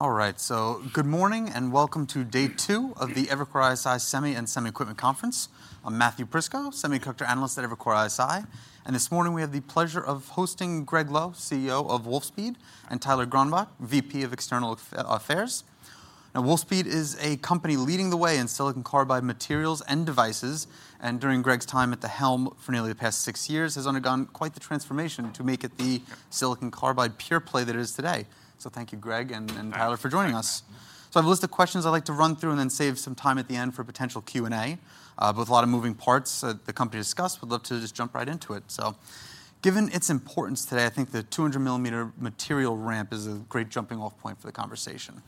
All right, so good morning, and welcome to day two of the Evercore ISI Semi and Semi Equipment Conference. I'm Matthew Prisco, semiconductor analyst at Evercore ISI, and this morning we have the pleasure of hosting Gregg Lowe, CEO of Wolfspeed, and Tyler Gronbach, VP of External Affairs. Now, Wolfspeed is a company leading the way in silicon carbide materials and devices, and during Gregg's time at the helm for nearly the past six years, has undergone quite the transformation to make it the silicon carbide pure-play that it is today. So thank you, Gregg and Tyler, for joining us. So I have a list of questions I'd like to run through and then save some time at the end for potential Q&A. With a lot of moving parts that the company discussed, we'd love to just jump right into it. So given its importance today, I think the 200mm material ramp is a great jumping-off point for the conversation,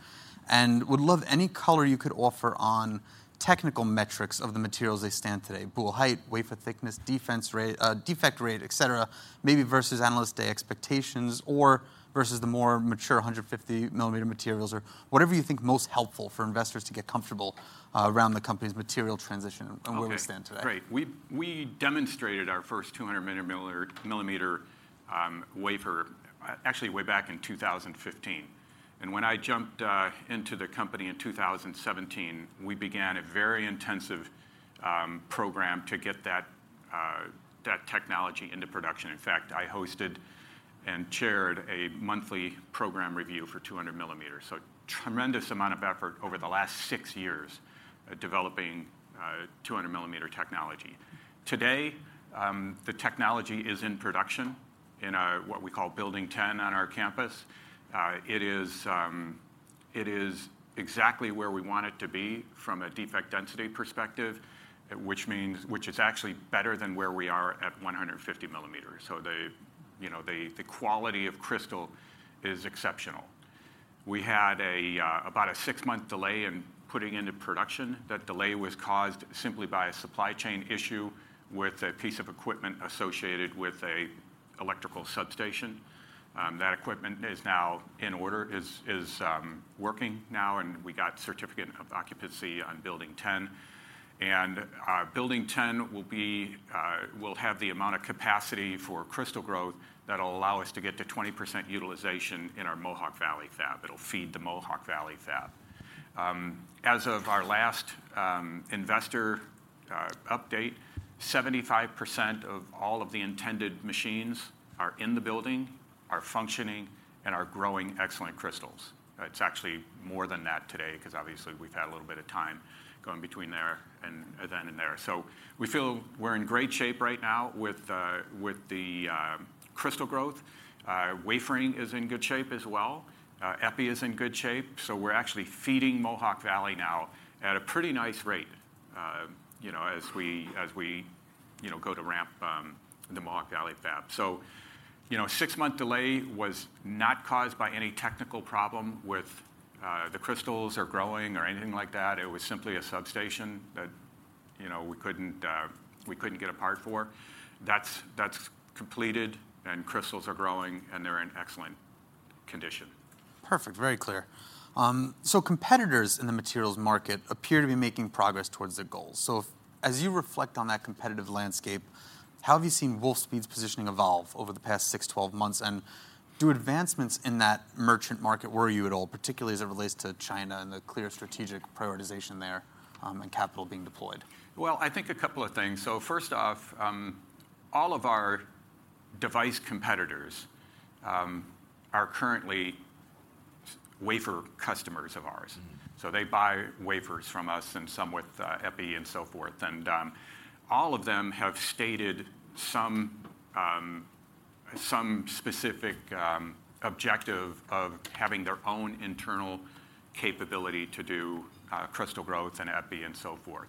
and would love any color you could offer on technical metrics of the materials they stand today: boule height, wafer thickness, defect rate, et cetera, maybe versus analyst day expectations or versus the more mature 150mm materials or whatever you think most helpful for investors to get comfortable around the company's material transition and where we stand today. Great. We demonstrated our first 200mm wafer actually way back in 2015, and when I jumped into the company in 2017, we began a very intensive program to get that technology into production. In fact, I hosted and chaired a monthly program review for 200mm, so tremendous amount of effort over the last six years at developing 200mm technology. Today, the technology is in production in what we call Building 10 on our campus. It is exactly where we want it to be from a defect density perspective, which is actually better than where we are at 150mm. So the, you know, the quality of crystal is exceptional. We had about a six-month delay in putting into production. That delay was caused simply by a supply chain issue with a piece of equipment associated with an electrical substation. That equipment is now in order, working now, and we got certificate of occupancy on Building 10. Building 10 will have the amount of capacity for crystal growth that will allow us to get to 20% utilization in our Mohawk Valley Fab. It'll feed the Mohawk Valley Fab. As of our last investor update, 75% of all of the intended machines are in the building, are functioning, and are growing excellent crystals. It's actually more than that today, 'cause obviously we've had a little bit of time going between there and then and there. So we feel we're in great shape right now with the crystal growth. Wafering is in good shape as well. Epi is in good shape, so we're actually feeding Mohawk Valley now at a pretty nice rate, you know, as we go to ramp the Mohawk Valley Fab. So, you know, six-month delay was not caused by any technical problem with the crystals or growing or anything like that. It was simply a substation that, you know, we couldn't get a part for. That's completed, and crystals are growing, and they're in excellent condition. Perfect, very clear. So competitors in the materials market appear to be making progress towards their goals. So as you reflect on that competitive landscape, how have you seen Wolfspeed's positioning evolve over the past six, 12 months, and do advancements in that merchant market worry you at all, particularly as it relates to China and the clear strategic prioritization there, and capital being deployed? Well, I think a couple of things. So first off, all of our device competitors are currently wafer customers of ours. So they buy wafers from us and some with epi and so forth, and all of them have stated some specific objective of having their own internal capability to do crystal growth and epi and so forth.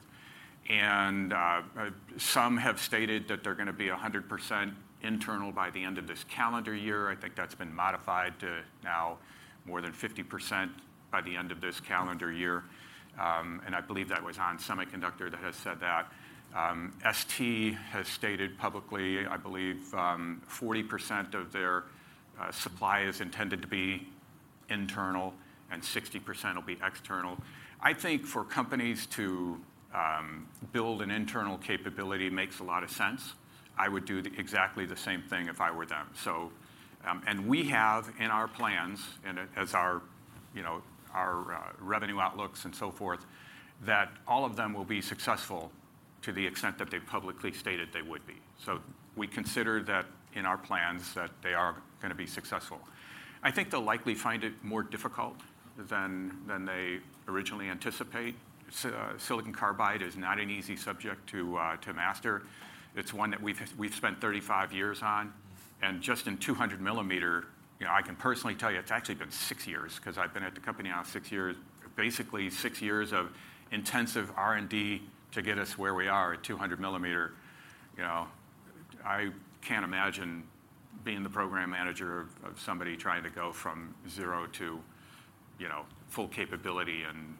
Some have stated that they're gonna be 100% internal by the end of this calendar year. I think that's been modified to now more than 50% by the end of this calendar year, and I believe that was ON Semiconductor that has said that. ST has stated publicly, I believe, 40% of their supply is intended to be internal and 60% will be external. I think for companies to build an internal capability makes a lot of sense. I would do exactly the same thing if I were them. So, we have in our plans, and as our, you know, our revenue outlooks and so forth, that all of them will be successful to the extent that they've publicly stated they would be. So we consider that in our plans, that they are gonna be successful. I think they'll likely find it more difficult than they originally anticipate. Silicon carbide is not an easy subject to master. It's one that we've spent 35 years on, and just in 200mm, you know, I can personally tell you, it's actually been six years, 'cause I've been at the company now six years. Basically, six years of intensive R&D to get us where we are at 200mm. You know, I can't imagine being the program manager of somebody trying to go from zero to, you know, full capability in,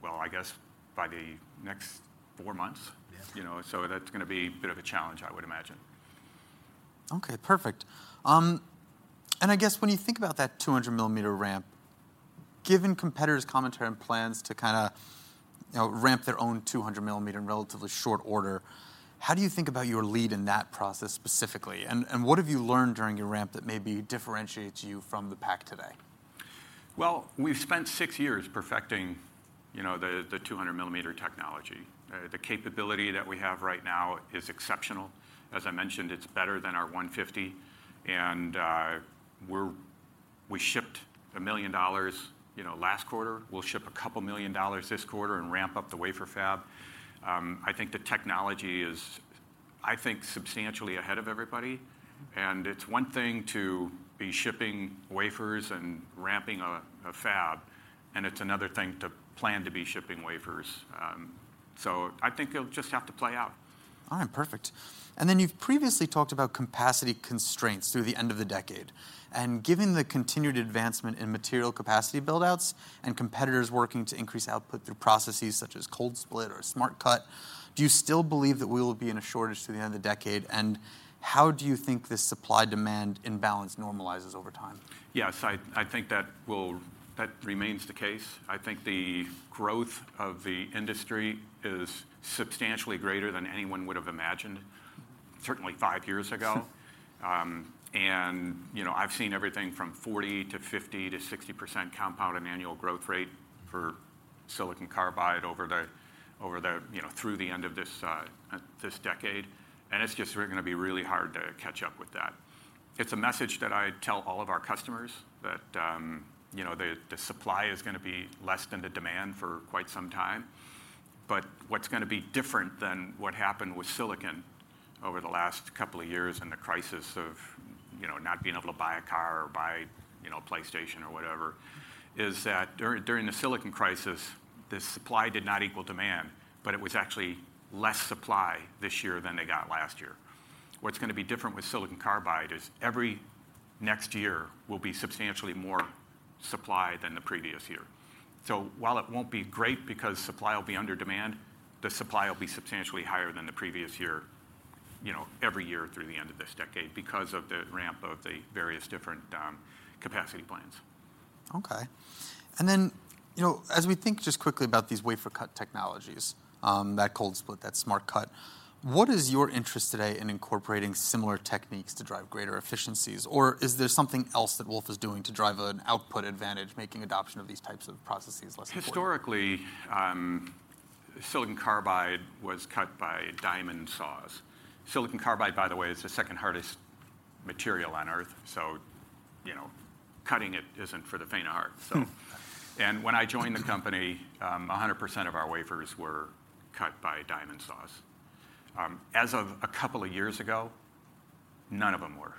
well, I guess by the next four months? Yeah. You know, so that's gonna be a bit of a challenge, I would imagine. Okay, perfect. And I guess when you think about that 200mm ramp, given competitors' commentary and plans to you know, ramp their own 200mm in relatively short order. How do you think about your lead in that process specifically, and what have you learned during your ramp that maybe differentiates you from the pack today? Well, we've spent six years perfecting, you know, the 200-mm technology. The capability that we have right now is exceptional. As I mentioned, it's better than our 150mm, and we're, we shipped $1 million, you know, last quarter. We'll ship $2 million this quarter and ramp up the wafer fab. I think the technology is, I think, substantially ahead of everybody, and it's one thing to be shipping wafers and ramping a fab, and it's another thing to plan to be shipping wafers. So I think it'll just have to play out. All right, perfect. And then, you've previously talked about capacity constraints through the end of the decade, and given the continued advancement in material capacity build-outs and competitors working to increase output through processes such as Cold Split or Smart Cut, do you still believe that we will be in a shortage through the end of the decade? And how do you think this supply-demand imbalance normalizes over time? Yes, I think that will, that remains the case. I think the growth of the industry is substantially greater than anyone would've imagined, certainly five years ago. And, you know, I've seen everything from 40%-50%-60% compound annual growth rate for silicon carbide over the, you know, through the end of this this decade, and it's just really gonna be really hard to catch up with that. It's a message that I tell all of our customers, that, you know, the, the supply is gonna be less than the demand for quite some time. But what's gonna be different than what happened with silicon over the last couple of years, and the crisis of, you know, not being able to buy a car or buy, you know, a PlayStation or whatever, is that during the silicon crisis, the supply did not equal demand, but it was actually less supply this year than they got last year. What's gonna be different with silicon carbide is, every next year will be substantially more supply than the previous year. So while it won't be great because supply will be under demand, the supply will be substantially higher than the previous year, you know, every year through the end of this decade, because of the ramp of the various different capacity plans. Okay. And then, you know, as we think just quickly about these wafer cut technologies, that Cold Split, that Smart Cut, what is your interest today in incorporating similar techniques to drive greater efficiencies? Or is there something else that Wolf is doing to drive an output advantage, making adoption of these types of processes less important? Historically, silicon carbide was cut by diamond. Silicon carbide by the way, is the second hardest material on Earth, so, you know, cutting it isn't for the faint of heart, so. When I joined the company, 100% of our wafers were cut by diamond saws. As of a couple of years ago, none of them were.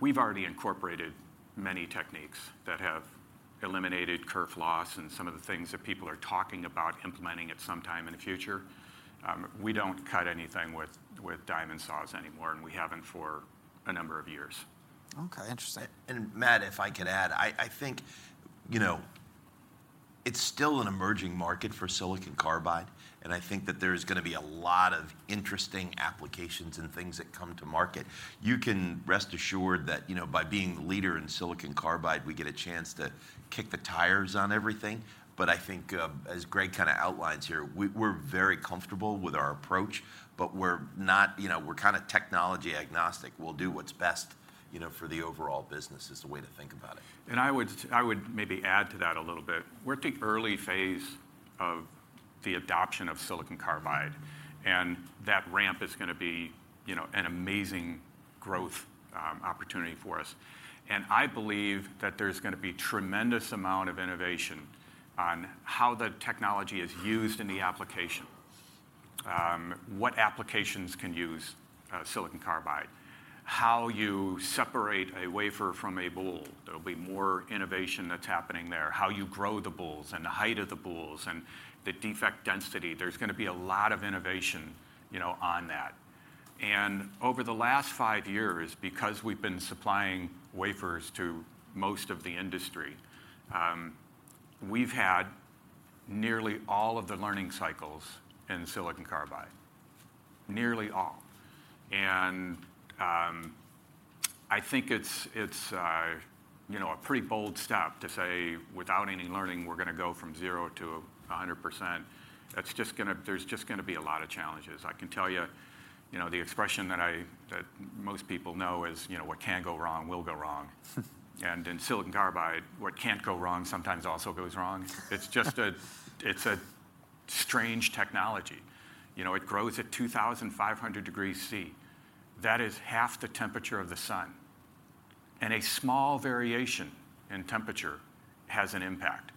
We've already incorporated many techniques that have eliminated kerf loss and some of the things that people are talking about implementing at some time in the future. We don't cut anything with diamond saws anymore, and we haven't for a number of years. Okay, interesting. And Matt, if I could add, I think, you know, it's still an emerging market silicon carbide and I think that there's gonna be a lot of interesting applications and things that come to market. You can rest assured that, you know, by being the leader silicon carbide we get a chance to kick the tires on everything. But I think, as Gregg kinda outlines here, we're very comfortable with our approach, but we're not, you know, we're kinda technology agnostic. We'll do what's best, you know, for the overall business, is the way to think about it. I would maybe add to that a little bit. We're at the early phase of the adoption silicon carbide and that ramp is gonna be, you know, an amazing growth opportunity for us. I believe that there's gonna be tremendous amount of innovation on how the technology is used in the application. What applications can use silicon carbide? How you separate a wafer from a boule. There'll be more innovation that's happening there. How you grow the boules, and the height of the boules, and the defect density. There's gonna be a lot of innovation, you know, on that. Over the last five years, because we've been supplying wafers to most of the industry, we've had nearly all of the learning cycles in silicon carbide. Nearly all. I think it's a pretty bold step to say, without any learning, we're gonna go from zero to 100%. That's just gonna. There's just gonna be a lot of challenges. I can tell you, you know, the expression that most people know is, you know, what can go wrong will go wrong. And silicon carbide what can't go wrong sometimes also goes wrong. It's just a strange technology. You know, it grows at 2,500 degrees Celsius. That is half the temperature of the sun, and a small variation in temperature has an impact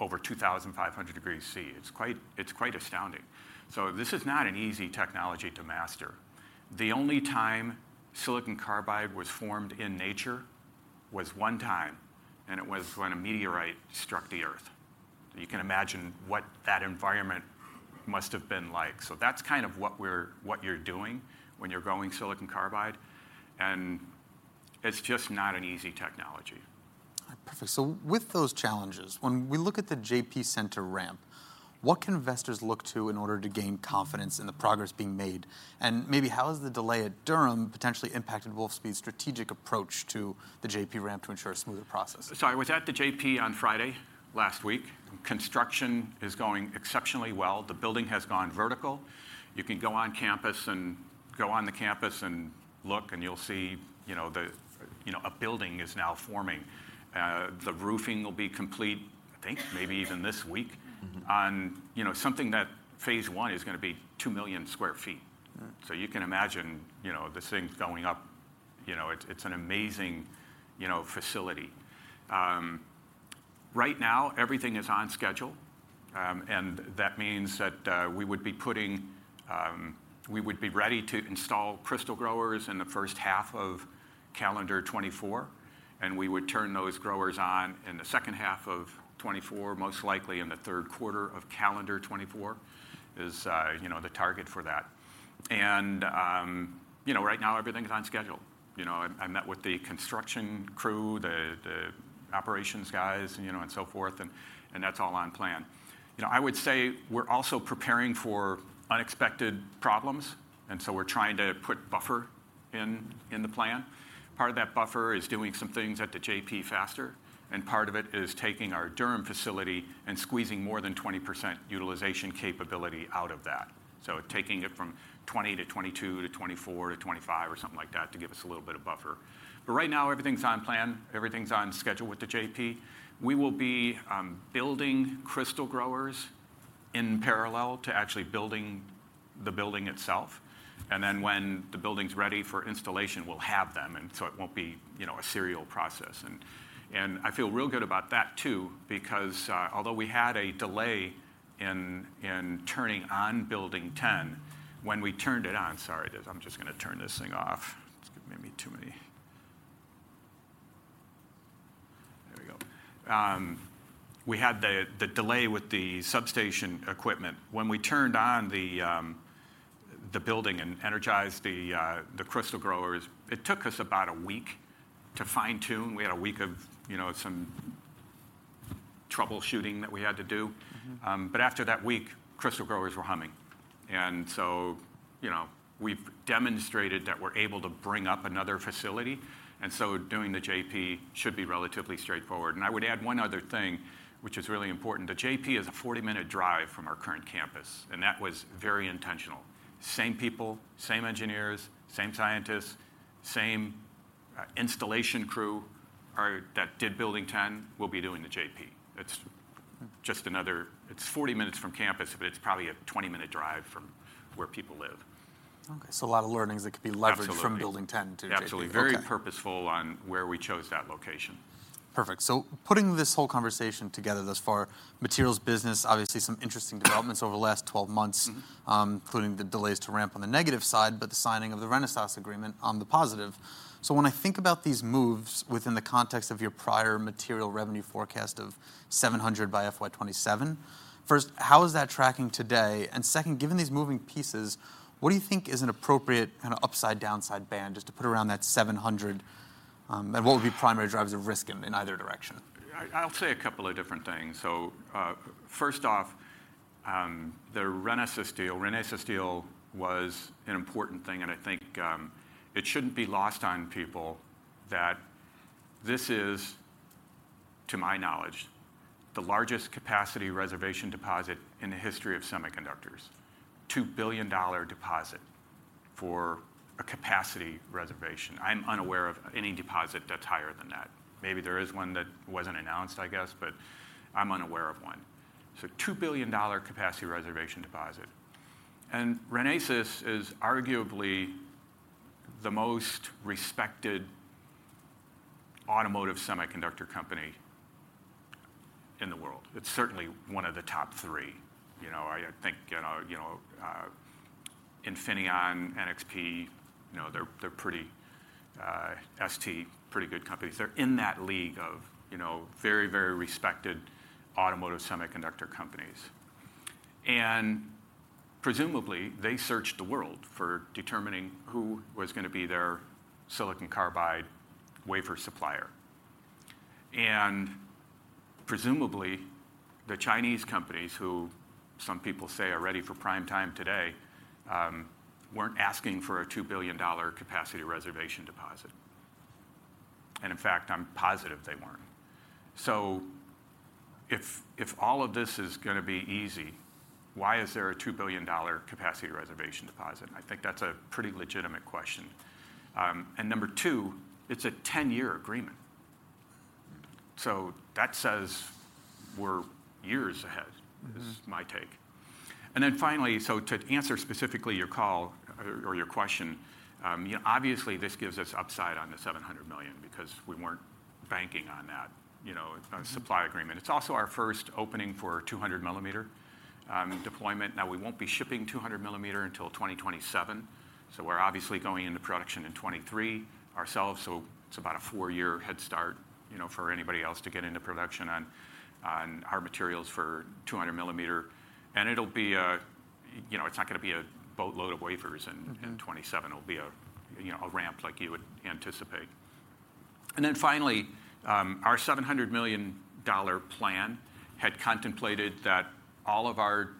over 2,500 degrees Celsius. It's quite astounding. So this is not an easy technology to master. The only time silicon carbide was formed in nature was one time, and it was when a meteorite struck the Earth. You can imagine what that environment must have been like. So that's kind of what you're doing when you're silicon carbide and it's just not an easy technology. All right. Perfect, so with those challenges, when we look at the JP Center ramp, what can investors look to in order to gain confidence in the progress being made? And maybe how has the delay at Durham potentially impacted Wolfspeed's strategic approach to the JP ramp to ensure a smoother process? So I was at the JP on Friday last week. Construction is going exceptionally well. The building has gone vertical. You can go on campus and go on the campus and look, and you'll see, you know, the, you know, a building is now forming. The roofing will be complete, I think, maybe even this week. You know, something that phase one is gonna be two million sq ft. So you can imagine, you know, this thing going up. You know, it's an amazing, you know, facility. Right now, everything is on schedule, and that means that we would be ready to install crystal growers in the first half of calendar 2024, and we would turn those growers on in the second half of 2024, most likely in the third quarter of calendar 2024, is, you know, the target for that. And, you know, right now, everything's on schedule. You know, I met with the construction crew, the operations guys, you know, and so forth, and that's all on plan. You know, I would say we're also preparing for unexpected problems, and so we're trying to put buffer in the plan. Part of that buffer is doing some things at the JP faster, and part of it is taking our Durham facility and squeezing more than 20% utilization capability out of that. So taking it from 20%-22% to 24%-25%, or something like that, to give us a little bit of buffer. But right now, everything's on plan, everything's on schedule with the JP. We will be building crystal growers in parallel to actually building the building itself, and then when the building's ready for installation, we'll have them, and so it won't be, you know, a serial process. And I feel real good about that, too, because although we had a delay in turning on Building 10, when we turned it on, sorry, guys, I'm just gonna turn this thing off. It's giving me too many, there we go. We had the delay with the substation equipment. When we turned on the building and energized the crystal growers, it took us about a week to fine-tune. We had a week of, you know, some troubleshooting that we had to do. But after that week, crystal growers were humming. And so, you know, we've demonstrated that we're able to bring up another facility, and so doing the JP should be relatively straightforward. And I would add one other thing, which is really important. The JP is a 40-minute drive from our current campus, and that was very intentional. Same people, same engineers, same scientists, same installation crew that did Building 10 will be doing the JP. It's just another. It's 40 minutes from campus, but it's probably a 20-minute drive from where people live. Okay, so a lot of learnings that could be leveraged- Absolutely from Building 10 to JP. Okay. Absolutely. Very purposeful on where we chose that location. Perfect. So putting this whole conversation together thus far, materials business, obviously some interesting developments over the last 12 months including the delays to ramp on the negative side, but the signing of the Renesas agreement on the positive. So when I think about these moves within the context of your prior material revenue forecast of $700 by FY 2027, first, how is that tracking today? And second, given these moving pieces, what do you think is an appropriate, kinda upside, downside band, just to put around that $700, and what would be primary drivers of risk in either direction? I'll say a couple of different things. So, first off, the Renesas deal, Renesas deal was an important thing, and I think it shouldn't be lost on people that this is, to my knowledge, the largest capacity reservation deposit in the history of semiconductors. $2 billion deposit for a capacity reservation. I'm unaware of any deposit that's higher than that. Maybe there is one that wasn't announced, I guess, but I'm unaware of one. So $2 billion capacity reservation deposit. And Renesas is arguably the most respected automotive semiconductor company in the world. It's certainly one of the top three. You know, I think, you know, Infineon, NXP, you know, they're pretty, ST, pretty good companies. They're in that league of, you know, very, very respected automotive semiconductor companies. Presumably, they searched the world for determining who was gonna be their silicon carbide wafer supplier. Presumably, the Chinese companies, who some people say are ready for prime time today, weren't asking for a $2 billion capacity reservation deposit. In fact, I'm positive they weren't. So if, if all of this is gonna be easy, why is there a $2 billion capacity reservation deposit? I think that's a pretty legitimate question. And number two, it's a 10-year agreement. So that says we're years ahead is my take. And then finally, so to answer specifically your call or your question, you know, obviously this gives us upside on the $700 million, because we weren't banking on that, you know, supply agreement. It's also our first opening for 200mm deployment. Now, we won't be shipping 200mm until 2027, so we're obviously going into production in 2023 ourselves, so it's about a four-year head start, you know, for anybody else to get into production on our materials for 200mm. And it'll be a, you know, it's not gonna be a boatload of wafers in 2027 it'll be a, you know, a ramp like you would anticipate. And then finally, our $700 million plan had contemplated that all of our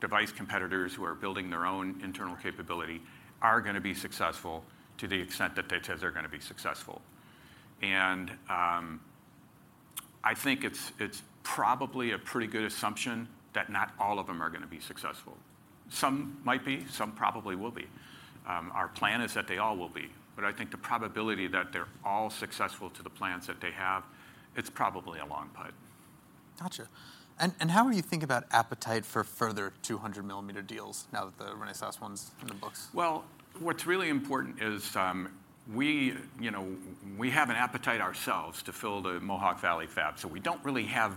device competitors who are building their own internal capability are gonna be successful to the extent that they say they're gonna be successful. And I think it's, it's probably a pretty good assumption that not all of them are gonna be successful. Some might be, some probably will be. Our plan is that they all will be, but I think the probability that they're all successful to the plans that they have, it's probably a long putt. Gotcha. And how are you thinking about appetite for further 200mm deals now that the Renesas one's in the books? Well, what's really important is, we, you know, we have an appetite ourselves to fill the Mohawk Valley Fab. So we don't really have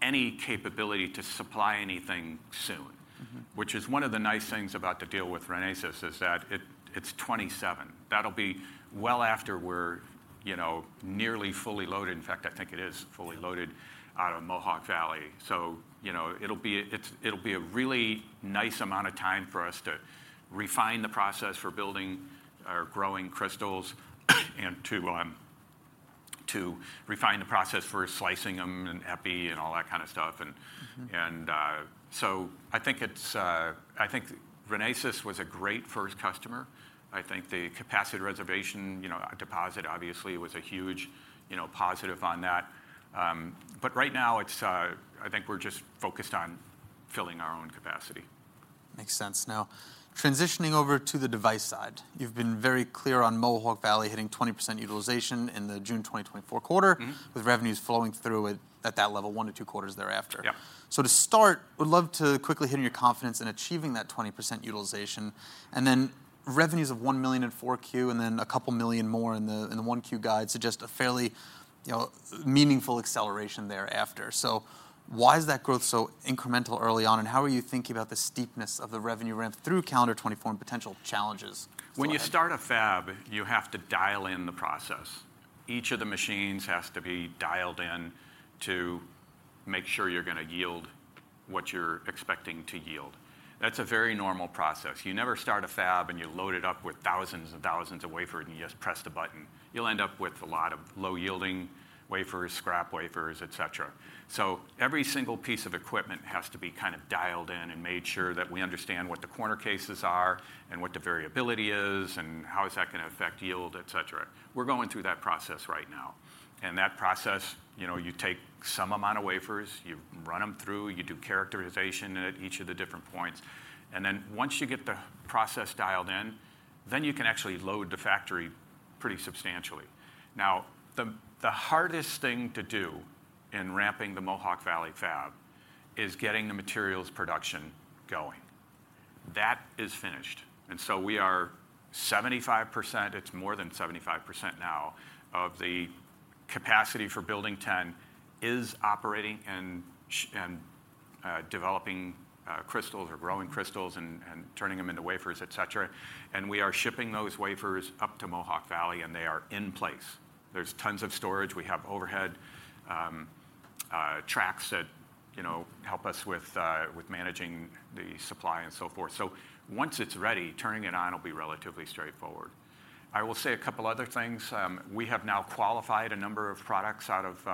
any capability to supply anything soon. Which is one of the nice things about the deal with Renesas is that it, it's 2027. That'll be well after we're, you know, nearly fully loaded. In fact, I think it is fully loaded out of Mohawk Valley. So, you know, it'll be a really nice amount of time for us to refine the process for building or growing crystals, and to refine the process for slicing them and epi and all that kind of stuff, and so I think Renesas was a great first customer. I think the capacity reservation, you know, deposit obviously was a huge, you know, positive on that. But right now, it's I think we're just focused on filling our own capacity. Makes sense. Now, transitioning over to the device side, you've been very clear on Mohawk Valley hitting 20% utilization in the June 2024 quarter with revenues flowing through it at that level, one, two quarters thereafter. Yeah. So to start, would love to quickly hit on your confidence in achieving that 20% utilization, and then revenues of $1 million in 4Q, and then a couple million more in the 1Q guide, suggest a fairly, you know, meaningful acceleration thereafter. So why is that growth so incremental early on, and how are you thinking about the steepness of the revenue ramp through calendar 2024 and potential challenges going? When you start a fab, you have to dial in the process. Each of the machines has to be dialed in to make sure you're gonna yield what you're expecting to yield. That's a very normal process. You never start a fab, and you load it up with thousands and thousands of wafers, and you just press the button. You'll end up with a lot of low-yielding wafers, scrap wafers, et cetera. So every single piece of equipment has to be kind of dialed in and made sure that we understand what the corner cases are, and what the variability is, and how is that gonna affect yield, et cetera. We're going through that process right now, and that process, you know, you take some amount of wafers, you run them through, you do characterization at each of the different points, and then once you get the process dialed in, then you can actually load the factory pretty substantially. Now, the hardest thing to do in ramping the Mohawk Valley Fab is getting the materials production going. That is finished, and so we are 75%, it's more than 75% now, of the capacity for Building 10 is operating and developing crystals or growing crystals and turning them into wafers, et cetera. And we are shipping those wafers up to Mohawk Valley, and they are in place. There's tons of storage. We have overhead tracks that, you know, help us with managing the supply and so forth. So once it's ready, turning it on will be relatively straightforward. I will say a couple other things. We have now qualified a number of products out of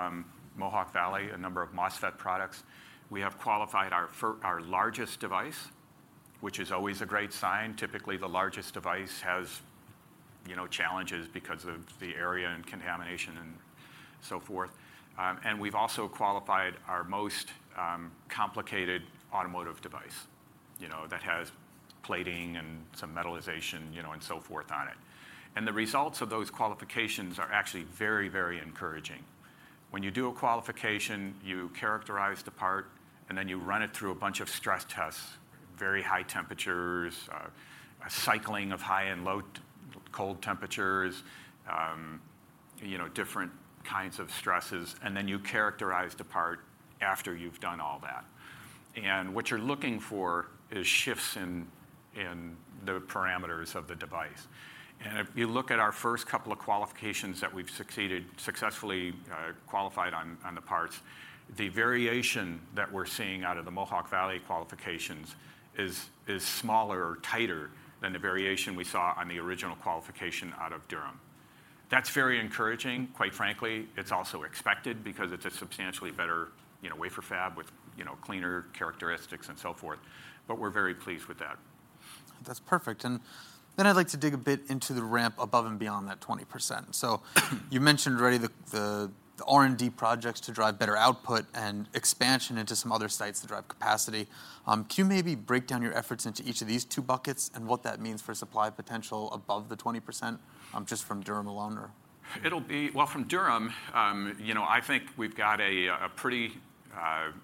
Mohawk Valley, a number of MOSFET products. We have qualified our largest device, which is always a great sign. Typically, the largest device has, you know, challenges because of the area and contamination and so forth. And we've also qualified our most complicated automotive device, you know, that has plating and some metallization, you know, and so forth on it. And the results of those qualifications are actually very, very encouraging. When you do a qualification, you characterize the part, and then you run it through a bunch of stress tests, very high temperatures, a cycling of high and low cold temperatures, you know, different kinds of stresses, and then you characterize the part after you've done all that. And what you're looking for is shifts in the parameters of the device. And if you look at our first couple of qualifications that we've successfully qualified on the parts, the variation that we're seeing out of the Mohawk Valley qualifications is smaller or tighter than the variation we saw on the original qualification out of Durham. That's very encouraging. Quite frankly, it's also expected because it's a substantially better, you know, wafer fab with, you know, cleaner characteristics and so forth, but we're very pleased with that. That's perfect. And then I'd like to dig a bit into the ramp above and beyond that 20%. So, you mentioned already the R&D projects to drive better output and expansion into some other sites to drive capacity. Can you maybe break down your efforts into each of these two buckets and what that means for supply potential above the 20%, just from Durham alone, or? It'll be, well, from Durham, you know, I think we've got a pretty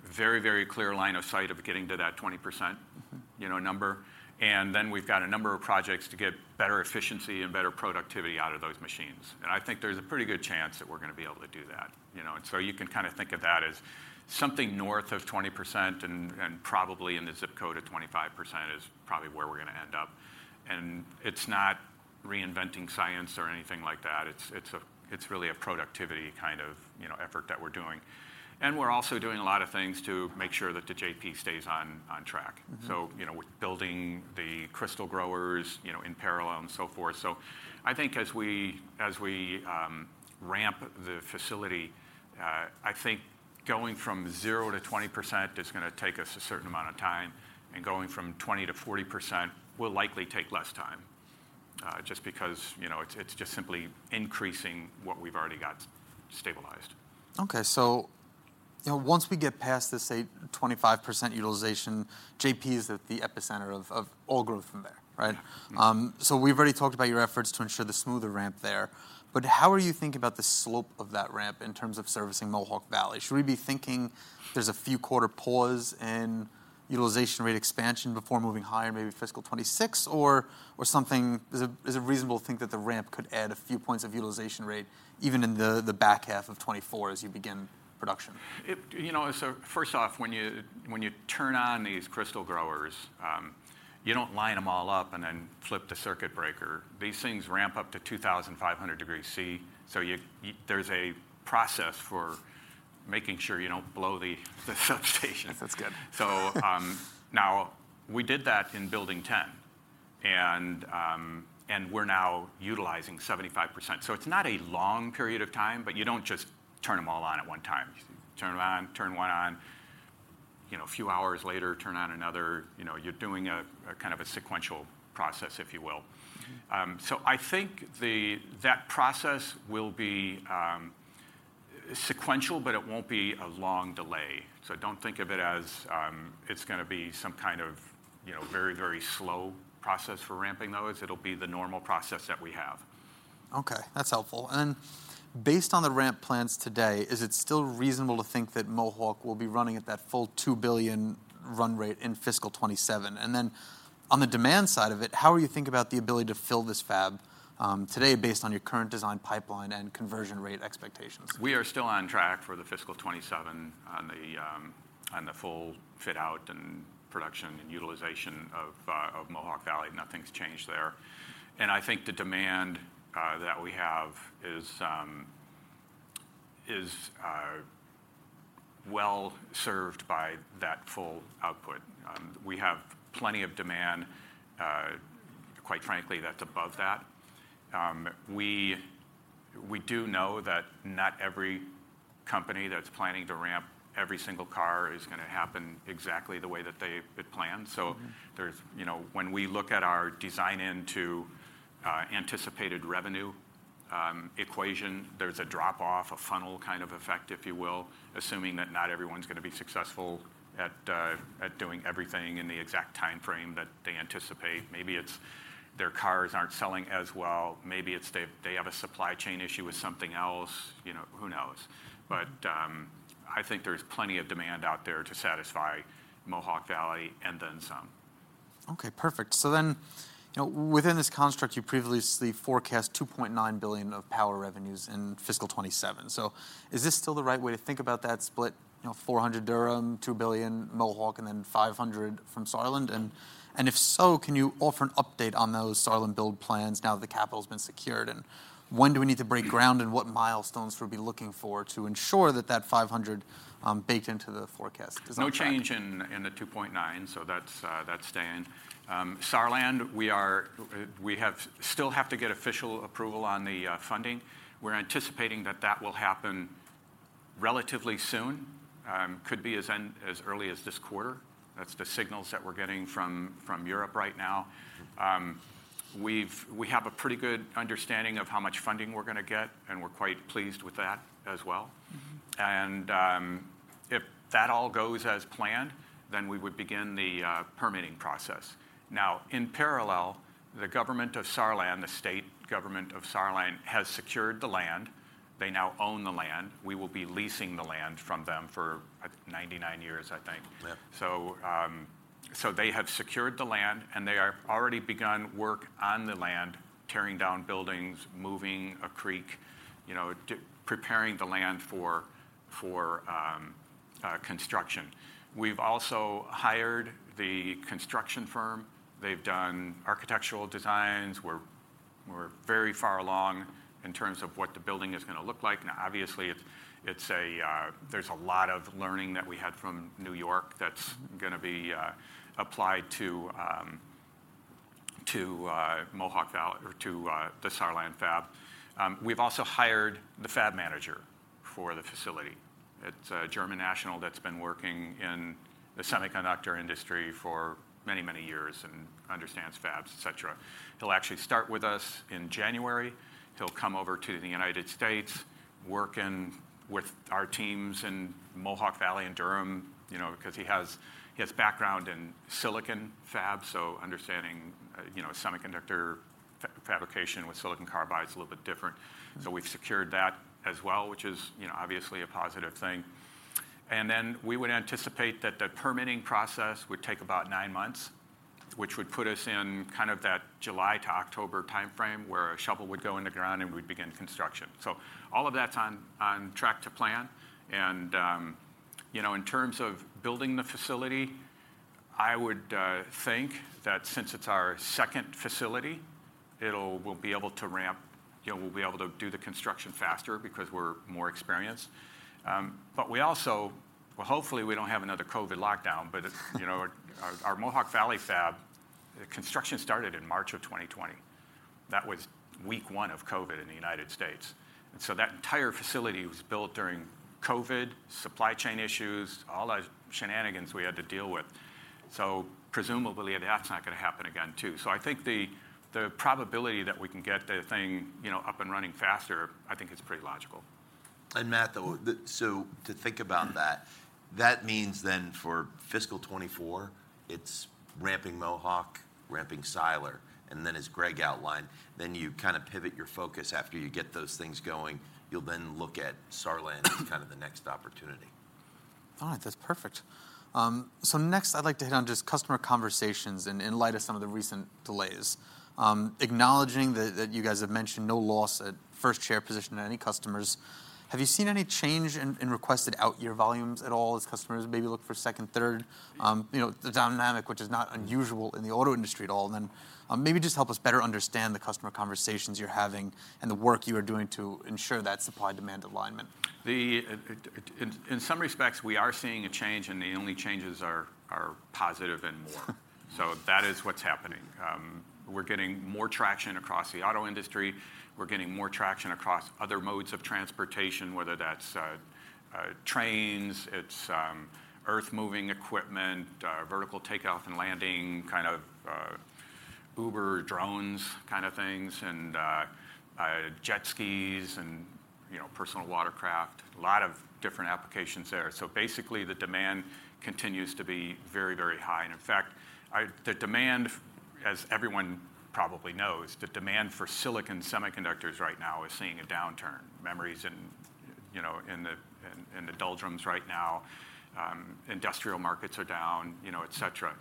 very, very clear line of sight of getting to that 20% you know, number, and then we've got a number of projects to get better efficiency and better productivity out of those machines. And I think there's a pretty good chance that we're gonna be able to do that, you know? And so you can kinda think of that as something north of 20%, and probably in the zip code of 25% is probably where we're gonna end up. And it's not reinventing science or anything like that. It's really a productivity kind of, you know, effort that we're doing. And we're also doing a lot of things to make sure that the JP stays on track. So, you know, we're building the crystal growers, you know, in parallel and so forth. So I think as we, as we, ramp the facility, I think going from 0%-20% is gonna take us a certain amount of time, and going from 20%-40% will likely take less time, just because, you know, it's, it's just simply increasing what we've already got stabilized. Okay, so, you know, once we get past this, say, 25% utilization, JP is at the epicenter of all growth from there, right? Yeah. So, we've already talked about your efforts to ensure the smoother ramp there, but how are you thinking about the slope of that ramp in terms of servicing Mohawk Valley? Should we be thinking there's a few quarter pause in utilization rate expansion before moving higher, maybe fiscal 2026 or, or something? Is it, is it reasonable to think that the ramp could add a few points of utilization rate, even in the, the back half of 2024 as you begin production? You know, so first off, when you turn on these crystal growers, you don't line them all up and then flip the circuit breaker. These things ramp up to 2,500 degrees Celsius, so there's a process for making sure you don't blow the substation. That's good. So, now, we did that in Building 10, and, and we're now utilizing 75%. So it's not a long period of time, but you don't just turn them all on at one time. You turn them on, turn one on, you know, a few hours later, turn on another, you know, you're doing a, a kind of a sequential process, if you will. So I think that process will be sequential, but it won't be a long delay. So don't think of it as it's gonna be some kind of, you know, very, very slow process for ramping those. It'll be the normal process that we have. Okay, that's helpful. And based on the ramp plans today, is it still reasonable to think that Mohawk will be running at that full $2 billion run rate in fiscal 2027? And then on the demand side of it, how are you thinking about the ability to fill this fab, today, based on your current design pipeline and conversion rate expectations? We are still on track for the fiscal 2027 on the full fit-out and production and utilization of Mohawk Valley. Nothing's changed there. And I think the demand that we have is well served by that full output. We have plenty of demand, quite frankly, that's above that. We do know that not every company that's planning to ramp every single car is gonna happen exactly the way that they had planned. So there's, you know, when we look at our design into, anticipated revenue, equation, there's a drop-off, a funnel kind of effect, if you will, assuming that not everyone's gonna be successful at, at doing everything in the exact timeframe that they anticipate. Maybe it's their cars aren't selling as well, maybe it's they, they have a supply chain issue with something else, you know, who knows? But, I think there's plenty of demand out there to satisfy Mohawk Valley and then some. Okay, perfect. So then, you know, within this construct, you previously forecast $2.9 billion of power revenues in fiscal 2027. So is this still the right way to think about that split, you know, $400 million Durham, $2 billion Mohawk, and then $500 million from Saarland? And if so, can you offer an update on those Saarland build plans now that the capital's been secured, and when do we need to break ground, and what milestones should we be looking for to ensure that that $500 million baked into the forecast is on track? No change in the 2.9, so that's staying. Saarland, we still have to get official approval on the funding. We're anticipating that that will happen relatively soon. Could be as early as this quarter. That's the signals that we're getting from Europe right now. We have a pretty good understanding of how much funding we're gonna get, and we're quite pleased with that as well. If that all goes as planned, then we would begin the permitting process. Now, in parallel, the government of Saarland, the state government of Saarland, has secured the land. They now own the land. We will be leasing the land from them for, I think, 99 years, I think. Yeah. So they have secured the land, and they have already begun work on the land, tearing down buildings, moving a creek, you know, preparing the land for construction. We've also hired the construction firm. They've done architectural designs. We're very far along in terms of what the building is gonna look like. Now, obviously, it's a, there's a lot of learning that we had from New York that's gonna be applied to Mohawk Valley or to the Saarland fab. We've also hired the fab manager for the facility. It's a German national that's been working in the semiconductor industry for many, many years and understands fabs, et cetera. He'll actually start with us in January. He'll come over to the United States, working with our teams in Mohawk Valley and Durham, you know, because he has background in silicon fab, so understanding semiconductor fabrication with silicon carbide is a little bit different. So we've secured that as well, which is, you know, obviously a positive thing. And then, we would anticipate that the permitting process would take about nine months, which would put us in kind of that July to October timeframe, where a shovel would go in the ground, and we'd begin construction. So all of that's on track to plan. And, you know, in terms of building the facility, I would think that since it's our second facility, we'll be able to do the construction faster because we're more experienced. But we also, well, hopefully, we don't have another COVID lockdown, but you know, our, our Mohawk Valley Fab, construction started in March of 2020. That was week 1 of COVID in the United States. And so that entire facility was built during COVID, supply chain issues, all the shenanigans we had to deal with. So presumably, that's not gonna happen again, too. So I think the, the probability that we can get the thing, you know, up and running faster, I think is pretty logical. And Matt, though, so to think about that, that means then for fiscal 2024, it's ramping Mohawk, ramping Siler, and then as Gregg outlined, then you kind of pivot your focus after you get those things going, you'll then look at Saarland as kind of the next opportunity. All right, that's perfect. So next I'd like to hit on just customer conversations in light of some of the recent delays. Acknowledging that you guys have mentioned no loss at first chair position at any customers, have you seen any change in requested out-year volumes at all, as customers maybe look for second, third, you know, the dynamic, which is not unusual in the auto industry at all? Then, maybe just help us better understand the customer conversations you're having and the work you are doing to ensure that supply-demand alignment. In some respects, we are seeing a change, and the only changes are positive and more. So that is what's happening. We're getting more traction across the auto industry. We're getting more traction across other modes of transportation, whether that's trains, earthmoving equipment, vertical take-off and landing, kind of Uber drones kind of things, and Jet Skis and, you know, personal watercraft. A lot of different applications there. So basically, the demand continues to be very, very high. And in fact, the demand, as everyone probably knows, the demand for silicon semiconductors right now is seeing a downturn. Memories, you know, in the doldrums right now. Industrial markets are down, you know, et cetera.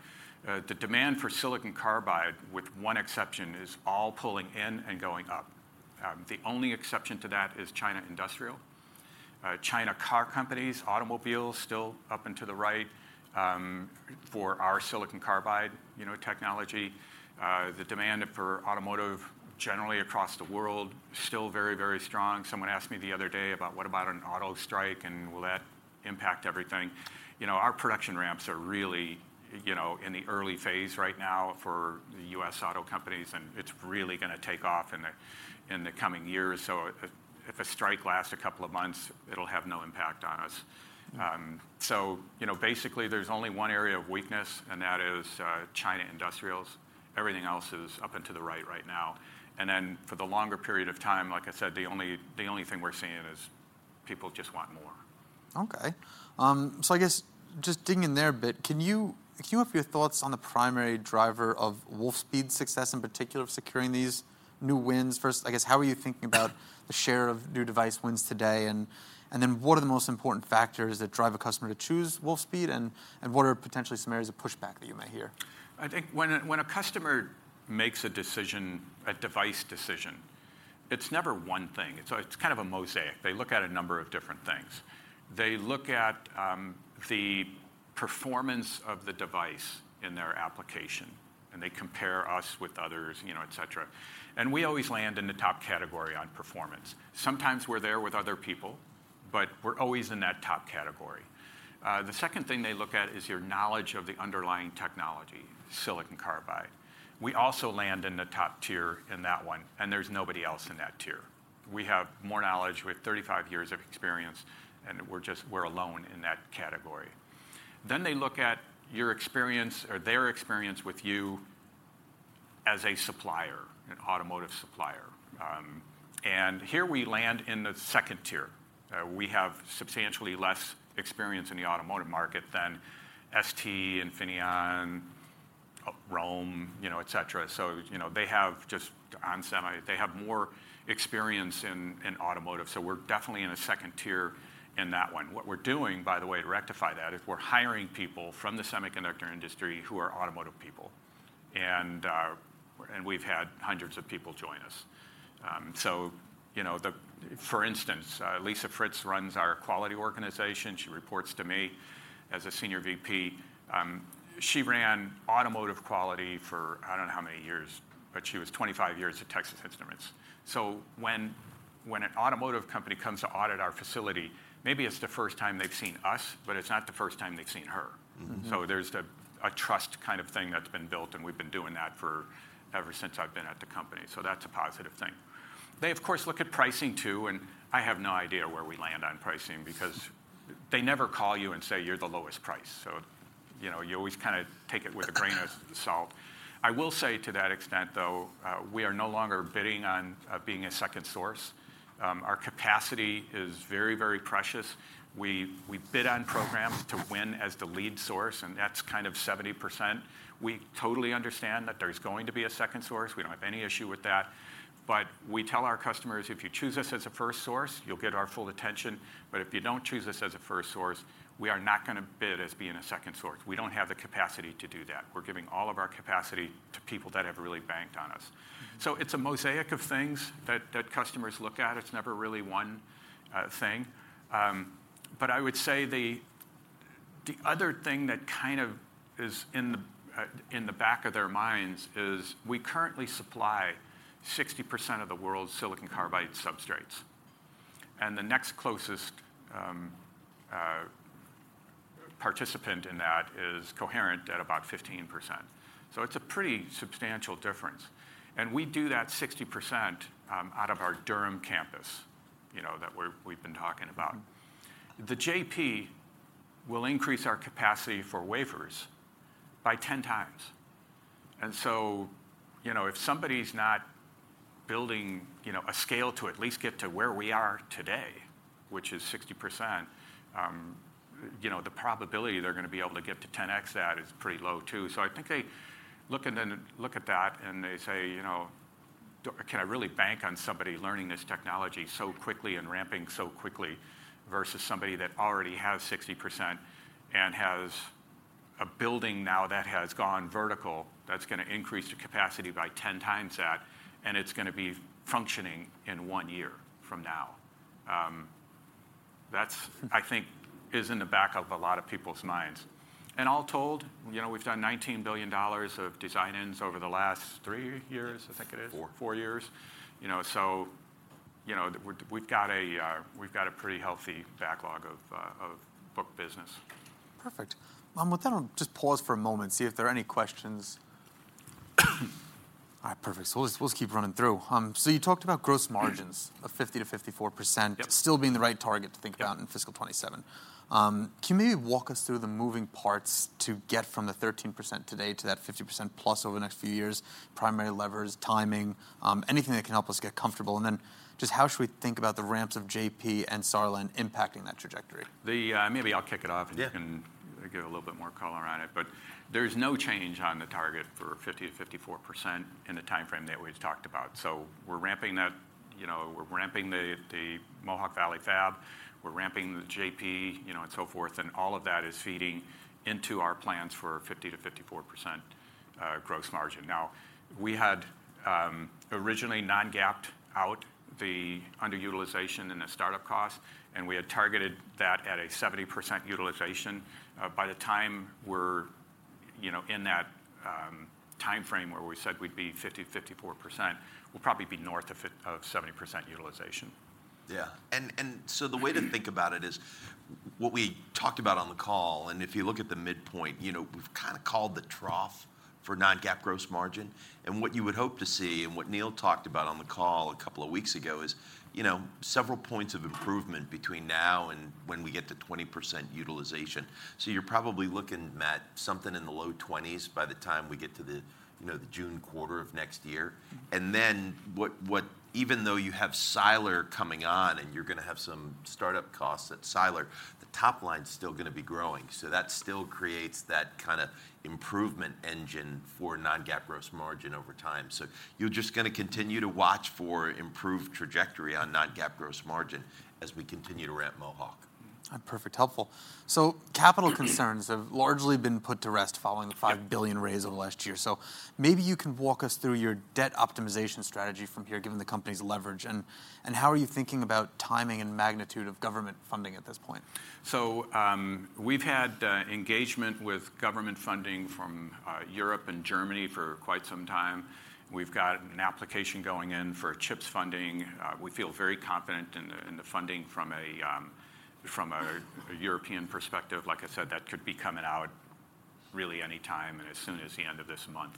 The demand for silicon carbide with one exception, is all pulling in and going up. The only exception to that is China industrials. China car companies, automobiles, still up and to the right, for silicon carbide, you know, technology. The demand for automotive generally across the world, still very, very strong. Someone asked me the other day about, what about an auto strike, and will that impact everything? You know, our production ramps are really, you know, in the early phase right now for the U.S. auto companies, and it's really gonna take off in the, in the coming years. So if a strike lasts a couple of months, it'll have no impact on us. So you know, basically, there's only one area of weakness, and that is, China industrials. Everything else is up and to the right right now. Then, for the longer period of time, like I said, the only, the only thing we're seeing is people just want more. Okay. So I guess just digging in there a bit, can you cue up your thoughts on the primary driver of Wolfspeed's success, in particular, of securing these new wins? First, I guess, how are you thinking about the share of new device wins today, and then what are the most important factors that drive a customer to choose Wolfspeed, and what are potentially some areas of pushback that you may hear? I think when a customer makes a decision, a device decision, it's never one thing. It's kind of a mosaic. They look at a number of different things. They look at the performance of the device in their application, and they compare us with others, you know, et cetera. We always land in the top category on performance. Sometimes we're there with other people, but we're always in that top category. The second thing they look at is your knowledge of the underlying technology, silicon carbide. We also land in the top tier in that one, and there's nobody else in that tier. We have more knowledge with 35 years of experience, and we're alone in that category. They look at your experience or their experience with you as a supplier, an automotive supplier. And here we land in the second tier. We have substantially less experience in the automotive market than ST, Infineon, Rohm, you know, et cetera. So, you know, they have just ON Semi, they have more experience in automotive, so we're definitely in the second tier in that one. What we're doing, by the way, to rectify that, is we're hiring people from the semiconductor industry who are automotive people, and we've had hundreds of people join us. So you know, for instance, Lisa Fritz runs our quality organization. She reports to me as a Senior VP. She ran automotive quality for I don't know how many years, but she was 25 years at Texas Instruments. So when an automotive company comes to audit our facility, maybe it's the first time they've seen us, but it's not the first time they've seen her. So there's a trust kind of thing that's been built, and we've been doing that ever since I've been at the company. So that's a positive thing. They, of course, look at pricing too, and I have no idea where we land on pricing because they never call you and say, "You're the lowest price." So you know, you always kind of take it with a grain of salt. I will say to that extent, though, we are no longer bidding on being a second source. Our capacity is very, very precious. We bid on programs to win as the lead source, and that's kind of 70%. We totally understand that there's going to be a second source. We don't have any issue with that. But we tell our customers, "If you choose us as a first source, you'll get our full attention. But if you don't choose us as a first source, we are not gonna bid as being a second source." We don't have the capacity to do that. We're giving all of our capacity to people that have really banked on us. So it's a mosaic of things that customers look at. It's never really one thing. But I would say the other thing that kind of is in the back of their minds is we currently supply 60% of the world's silicon carbide substrates, and the next closest participant in that is Coherent at about 15%. So it's a pretty substantial difference. And we do that 60% out of our Durham campus, you know, that we're, we've been talking about. The JP will increase our capacity for wafers by 10x. So, you know, if somebody's not building, you know, a scale to at least get to where we are today, which is 60%, you know, the probability they're gonna be able to get to 10x that is pretty low, too. So I think they look at that, and they say, you know, "Can I really bank on somebody learning this technology so quickly and ramping so quickly, versus somebody that already has 60% and has a building now that has gone vertical, that's gonna increase the capacity by 10x that, and it's gonna be functioning in one year from now?" That, I think, is in the back of a lot of people's minds. All told, you know, we've done $19 billion of design-ins over the last three years, I think it is? Four. Four years. You know, so, you know, we've got a pretty healthy backlog of book business. Perfect. With that, I'll just pause for a moment, see if there are any questions. All right, perfect. So let's, let's keep running through. You talked about gross margins of 50%-54% still being the right target to think about in fiscal 2027. Can you maybe walk us through the moving parts to get from the 13% today to that 50%+ over the next few years? Primary levers, timing, anything that can help us get comfortable. And then, just how should we think about the ramps of JP and Saarland impacting that trajectory? Maybe I'll kick it off and you can give a little bit more color on it. But there's no change on the target for 50%-54% in the timeframe that we've talked about. So we're ramping that, you know, we're ramping the Mohawk Valley Fab, we're ramping the JP, you know, and so forth, and all of that is feeding into our plans for 50%-54%, gross margin. Now, we had originally non-GAAPed out the underutilization and the start-up costs, and we had targeted that at a 70% utilization. By the time we're, you know, in that timeframe where we said we'd be 50%-54%, we'll probably be north of 70% utilization. Yeah. So the way to think about it is what we talked about on the call. And if you look at the midpoint, you know, we've kind of called the trough for non-GAAP gross margin. What you would hope to see, and what Neill talked about on the call a couple of weeks ago, is, you know, several points of improvement between now and when we get to 20% utilization. So you're probably looking, Matt, something in the low 20s by the time we get to the, you know, the June quarter of next year. Then, even though you have Siler coming on, and you're gonna have some start-up costs at Siler, the top line's still gonna be growing, so that still creates that kind of improvement engine for non-GAAP gross margin over time. You're just gonna continue to watch for improved trajectory on non-GAAP gross margin as we continue to ramp Mohawk. Perfect. Helpful. So capital concerns have largely been put to rest following the $5 billion raise over the last year. So maybe you can walk us through your debt optimization strategy from here, given the company's leverage. And how are you thinking about timing and magnitude of government funding at this point? So, we've had engagement with government funding from Europe and Germany for quite some time. We've got an application going in for CHIPS funding. We feel very confident in the funding from a European perspective. Like I said, that could be coming out really any time, and as soon as the end of this month.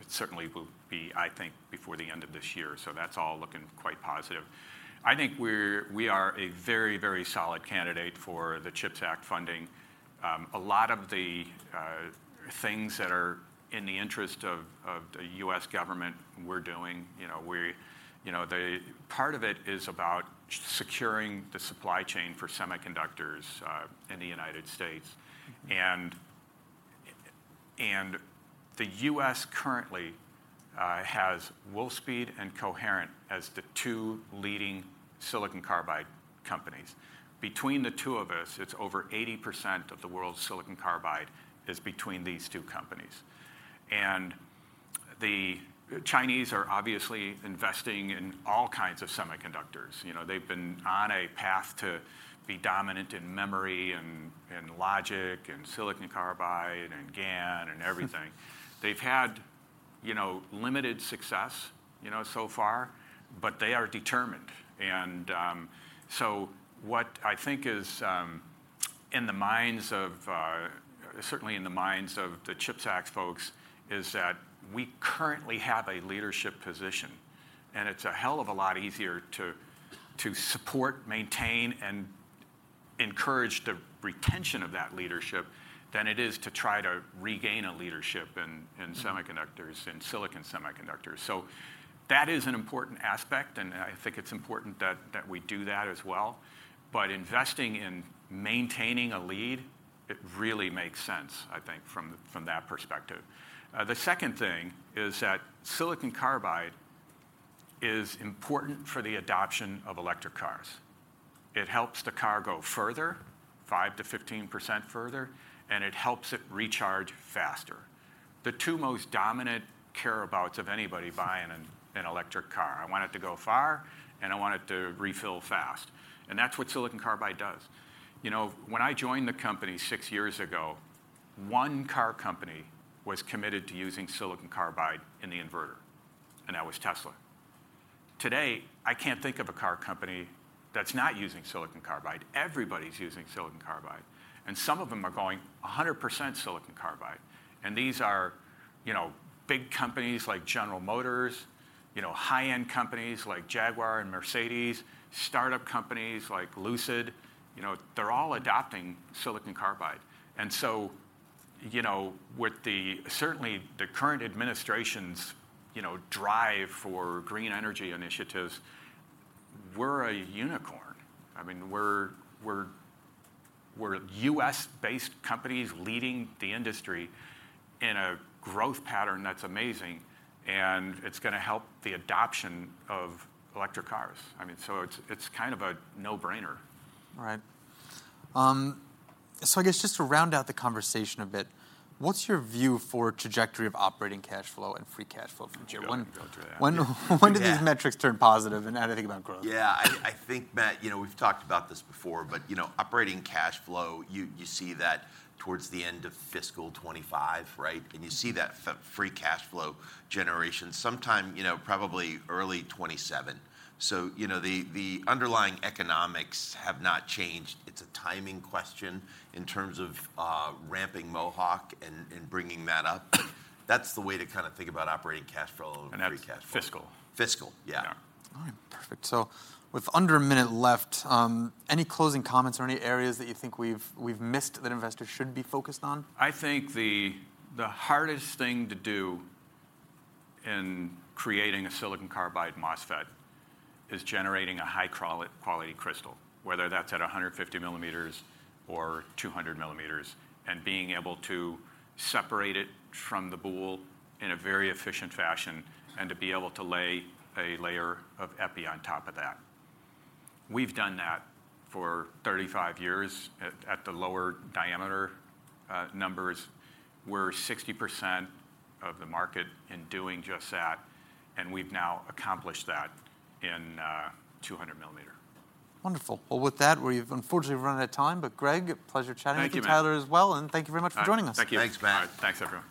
It certainly will be, I think, before the end of this year. So that's all looking quite positive. I think we are a very, very solid candidate for the CHIPS Act funding. A lot of the things that are in the interest of the U.S. government we're doing. You know, we know, the part of it is about securing the supply chain for semiconductors in the United States. And the U.S. currently has Wolfspeed and Coherent as the two leading silicon carbide companies. Between the two of us, it's over 80% of the world's silicon carbide is between these two companies. And the Chinese are obviously investing in all kinds of semiconductors. You know, they've been on a path to be dominant in memory, and logic, silicon carbide and GaN, and everything. They've had, you know, limited success, you know, so far, but they are determined. And, so what I think is, in the minds of, certainly in the minds of the CHIPS Act folks, is that we currently have a leadership position, and it's a hell of a lot easier to support, maintain, and encourage the retention of that leadership than it is to try to regain a leadership in, in semiconductors, in silicon semiconductors. So that is an important aspect, and I think it's important that, that we do that as well. But investing in maintaining a lead, it really makes sense, I think, from, from that perspective. The second thing is that silicon carbide is important for the adoption of electric cars. It helps the car go further, 5%-15% further, and it helps it recharge faster. The two most dominant care abouts of anybody buying an, an electric car; I want it to go far, and I want it to refill fast, and that's what silicon carbide does. You know, when I joined the company six years ago, one car company was committed to using silicon carbide in the inverter, and that was Tesla. Today, I can't think of a car company that's not using silicon carbide. Everybody's silicon carbide and some of them are going 100% silicon carbide. These are, you know, big companies like General Motors, you know, high-end companies like Jaguar and Mercedes, startup companies like Lucid, you know, they're all adopting silicon carbide. With the, certainly the current administration's, you know, drive for green energy initiatives, we're a unicorn. I mean, we're U.S.-based companies leading the industry in a growth pattern that's amazing, and it's gonna help the adoption of electric cars. I mean, so it's, it's kind of a no-brainer. All right. So I guess just to round out the conversation a bit, what's your view for trajectory of operating cash flow and free cash flow from here? Don't you, Don't do that. When do these metrics turn positive, and how do you think about growth? Yeah, I think, Matt, you know, we've talked about this before, but, you know, operating cash flow, you see that towards the end of fiscal 2025, right, and you see that free cash flow generation sometime, you know, probably early 2027. So, you know, the, the underlying economics have not changed. It's a timing question in terms of ramping Mohawk and bringing that up. That's the way to kind of think about operating cash flow and free cash flow. That's fiscal. Fiscal, yeah. Yeah. All right, perfect. So with under a minute left, any closing comments or any areas that you think we've, we've missed that investors should be focused on? I think the hardest thing to do in creating a silicon carbide MOSFET is generating a high quality crystal, whether that's at 150mm or 200mm, and being able to separate it from the boule in a very efficient fashion, and to be able to lay a layer of epi on top of that. We've done that for 35 years at the lower diameter numbers. We're 60% of the market in doing just that, and we've now accomplished that in 200mm. Wonderful. Well, with that, we've unfortunately run out of time. But Gregg, a pleasure chatting with you- Thank you, Matt. Tyler, as well, and thank you very much for joining us. Thank you. Thanks, Matt. All right, thanks, everyone.